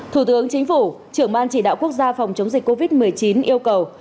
thủ tướng chính phủ trưởng ban chỉ đạo quốc gia phòng chống dịch covid một mươi chín yêu cầu